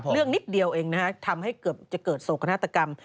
นิดเดียวเองนะฮะทำให้เกือบจะเกิดโศกนาฏกรรม